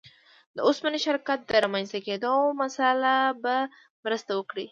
د اوسپنې شرکت د رامنځته کېدو مسأله به مرسته وکړي.